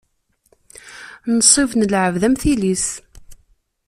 Nnṣib n lɛebd, am tili-s.